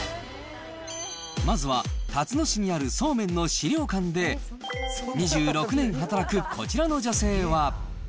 まずは、たつの市にあるそうめんの資料館で、２６年働くこちらの女性は。